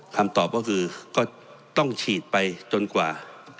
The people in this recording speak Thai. คำตอบก็คือก็ต้องฉีดไปจนกว่า